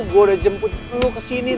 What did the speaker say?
gue udah jemput lo kesini